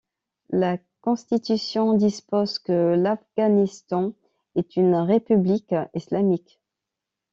La Constitution dispose que l'Afghanistan est une république islamique.